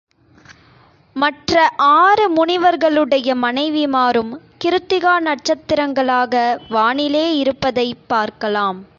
மற்ற ஆறு முனிவர்களுடைய மனைவிமாரும் கிருத்திகா நட்சத்திரங்களாக வானிலே இருப்பதைப் பார்க்கலாம்.